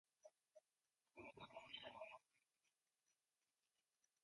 It passes under Q Street Northwest's Dumbarton Bridge over the creek with no access.